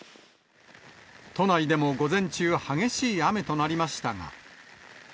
都内でも午前中、激しい雨となりましたが。